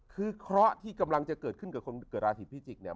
คือเคราะห์ที่กำลังจะเกิดขึ้นกับคนเกิดราศีพิจิกเนี่ย